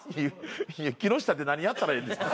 いや木下って何やったらええんですか？